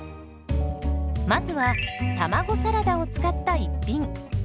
まずは卵サラダを使った一品。